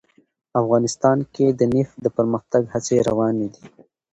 افغانستان کې د نفت د پرمختګ هڅې روانې دي.